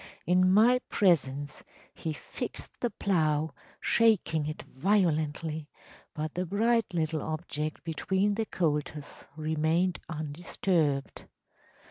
In my presence he fixed the plough, shaking it violently, but the bright little object between the colters remained undisturbed.